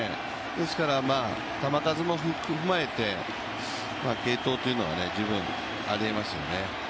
ですから球数も踏まえて、継投というのは十分ありえますよね。